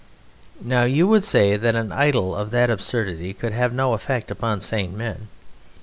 Now you would say that an idol of that absurdity could have no effect upon sane men.